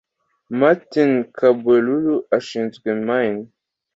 Martin Kabwelulu ushinzwe Mine